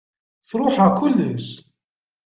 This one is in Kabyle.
Sṛuḥeɣ kullec.